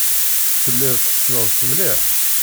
Telliḍ tessneḍ-t mliḥ?